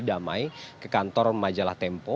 jadi saya ingin memberi damai ke kantor majalah tempo